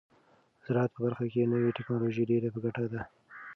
د زراعت په برخه کې نوې ټیکنالوژي ډیره په ګټه ده.